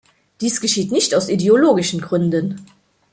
Dies geschieht nicht aus ideologischen Gründen.